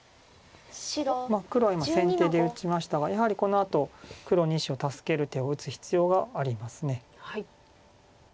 黒今先手で打ちましたがやはりこのあと黒２子を助ける手を打つ必要があります。